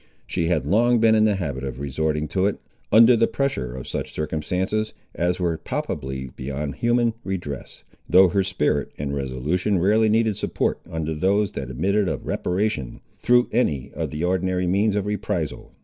She had long been in the habit of resorting to it, under the pressure of such circumstances as were palpably beyond human redress, though her spirit and resolution rarely needed support under those that admitted of reparation through any of the ordinary means of reprisal.